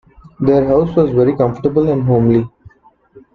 Their house was very comfortable and homely